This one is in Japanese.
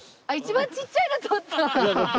あっ一番ちっちゃいの取った！